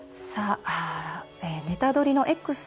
「ネタドリ！」のＸ